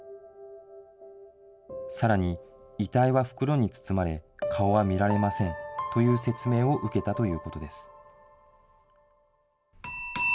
さらに、遺体は袋に包まれ、顔は見られませんという説明を受けたということです。